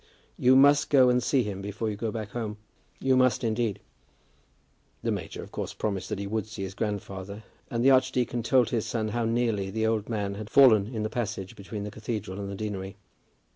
You must go and see him before you go back home; you must indeed." The major, of course, promised that he would see his grandfather, and the archdeacon told his son how nearly the old man had fallen in the passage between the cathedral and the deanery.